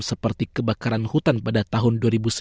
seperti kebakaran hutan pada tahun dua ribu sembilan belas